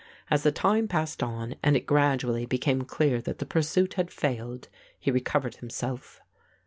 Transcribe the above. As the time passed on, and it gradually became clear that the pursuit had failed, he recovered himself.